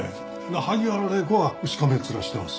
萩原礼子はしかめっ面してます。